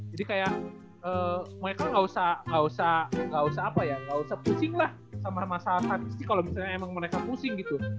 jadi kayak mereka gak usah pusing lah sama masalah statistik kalo misalnya emang mereka pusing gitu